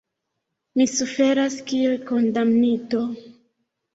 Mi suferas, kiel kondamnito.